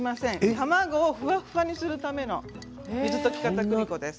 卵をふわふわにするための水溶きかたくり粉です。